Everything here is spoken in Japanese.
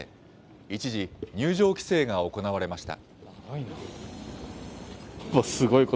一時、入場規制が行われました。